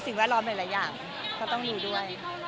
สิ่งแวดร้อนหลายอย่างก็ต้องดูด้วย